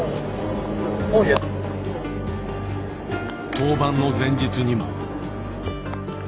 登板の前日にも。